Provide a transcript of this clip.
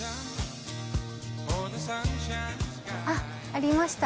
あっありました。